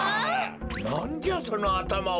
なんじゃそのあたまは！？